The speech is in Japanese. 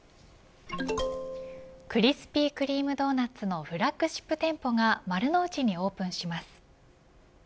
クリスピー・クリーム・ドーナツのフラッグシップ店舗が丸の内にオープンします。